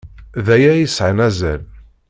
D aya ay yesɛan azal.